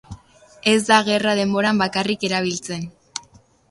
Ez da gerra denboran bakarrik erabiltzen.